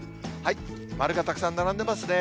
丸がたくさん並んでますね。